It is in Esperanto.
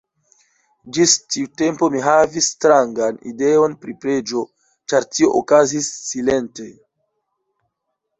Ĝis tiu tempo mi havis strangan ideon pri preĝo, ĉar tio okazis silente.